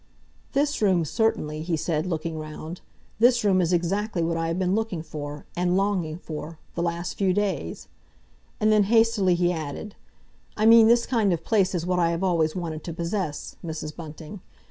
"This room, certainly," he said, looking round. "This room is exactly what I have been looking for, and longing for, the last few days;" and then hastily he added, "I mean this kind of place is what I have always wanted to possess, Mrs. Bunting.